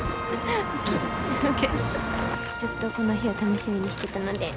ずっとこの日を楽しみにしてたので。